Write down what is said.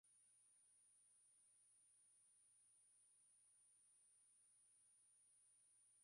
matambiko ni suala la kawaida kwa wachaga